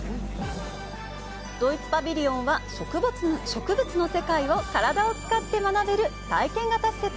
ドイツパビリオンは植物の世界を体を使って学べる体験型施設。